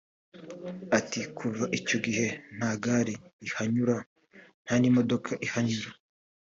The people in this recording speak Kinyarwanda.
Ati “Kuva icyo gihe nta gare rihanyura nta n’imodoka ihanyura